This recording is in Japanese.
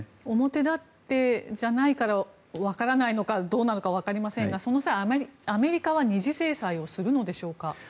表立ってじゃないからわからないのかどうなのかわかりませんがその際はアメリカは二次制裁をするのでしょうか？